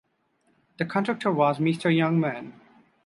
The contractor was Mister Youngman.